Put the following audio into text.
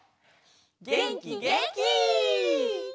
げんきげんき！